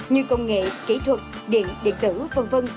như công nghệ kỹ thuật điện điện tử v v